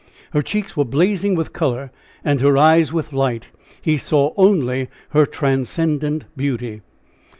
Her cheeks were blazing with color and her eyes with light! He saw only her transcendant beauty.